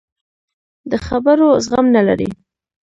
د خبرو زغم نه لري.